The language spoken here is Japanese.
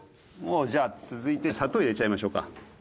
もうじゃあ続いて砂糖入れちゃいましょうか。